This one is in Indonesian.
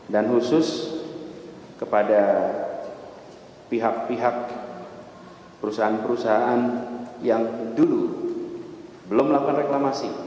dan khusus kepada pihak pihak perusahaan perusahaan yang dulu belum melakukan reklamasi